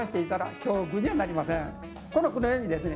この句のようにですね